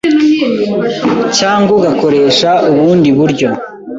cyangwa ugakoresha ubundi buryo